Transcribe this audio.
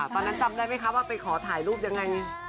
ตอนนั้นจำได้ป่ะไปถ่ายรูปยังไง